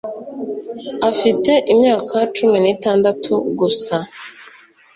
afite imyaka cumi n'itandatu gusa